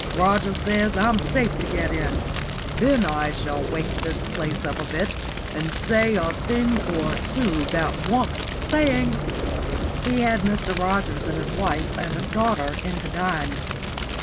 Rogers says I'm safe to get in. Then I shall wake this place up a bit, and say a thing or two that wants saying." He had Mr. Rogers and his wife and daughter in to dine.